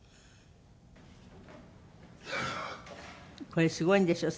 これすごいんですよ